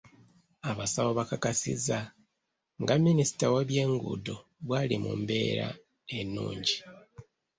Abasawo bakakasizza nga Minisita w’ebyenguudo bw’ali mu mbeera ennungi.